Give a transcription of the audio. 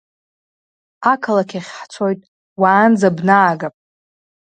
Ақалақь ахь ҳцоит, уаанӡа бнаагап.